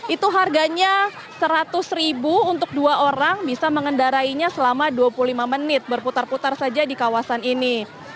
itu harganya rp seratus untuk dua orang bisa mengendarainya selama dua puluh lima menit berputar putar saja di kawasan ini